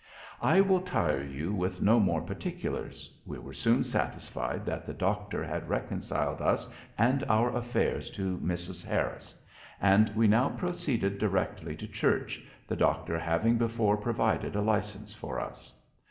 "I will tire you with no more particulars: we were soon satisfied that the doctor had reconciled us and our affairs to Mrs. Harris; and we now proceeded directly to church, the doctor having before provided a licence for us."